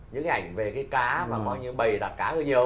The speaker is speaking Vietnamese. những cái ảnh về cái cá và bầy đặt cá hơi nhiều